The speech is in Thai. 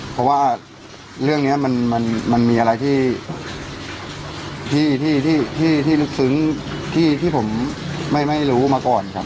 เพราะว่าเรื่องเนี้ยมันมันมันมีอะไรที่ที่ที่ที่ที่ที่รึกษึงที่ที่ผมไม่ไม่รู้มาก่อนครับ